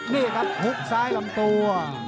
นี่ครับหุบซ้ายลำตัว